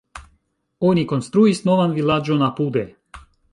Oni konstruis novan vilaĝon apude.